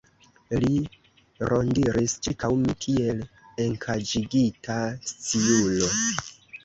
Li rondiris ĉirkaŭ mi, kiel enkaĝigita sciuro.